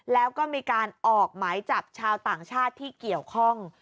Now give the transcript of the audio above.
แล้วก็มีการออกหมายจับชาวต่างชาติที่เกี่ยวข้อง